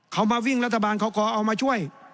เขามาวิ่งรัฐบาลเขาขอเอามาช่วย